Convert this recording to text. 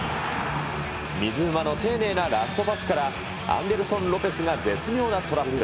水沼の丁寧なラストパスから、アンデルソン・ロペスが絶妙なトラップ。